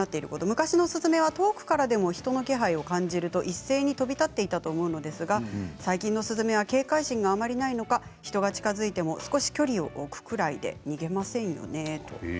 昔のスズメは遠くからでも人の気配を感じると一斉に飛び立っていたと思うんですが最近のスズメは警戒心があまりないのか人が近づいても少し距離を置くくらいで逃げませんよね。